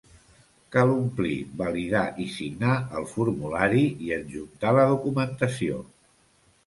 Cal omplir, validar i signar el formulari i adjuntar la documentació.